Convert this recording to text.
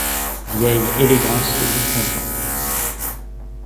Vieille élégance de son temps.